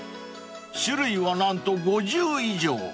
［種類は何と５０以上］